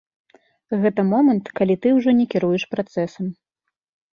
Гэта момант, калі ты ўжо не кіруеш працэсам.